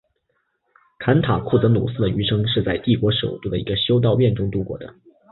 坎塔库泽努斯的余生是在帝国首都的一个修道院中度过的。